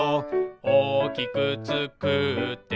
「おおきくつくって」